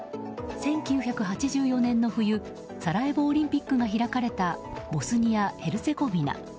１９８４年の冬サラエボオリンピックが開かれたボスニア・ヘルツェゴビナ。